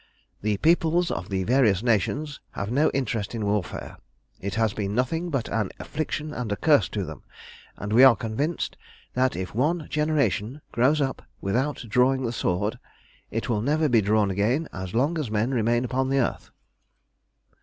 The peoples of the various nations have no interest in warfare. It has been nothing but an affliction and a curse to them, and we are convinced that if one generation grows up without drawing the sword, it will never be drawn again as long as men remain upon the earth.